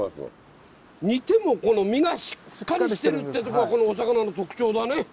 煮てもこの身がしっかりしてるってとこがこのお魚の特徴だね。